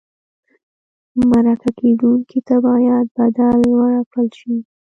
مرکه کېدونکي ته باید بدل ورکړل شي.